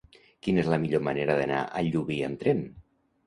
Quina és la millor manera d'anar a Llubí amb tren?